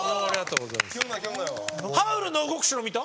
「ハウルの動く城」見た？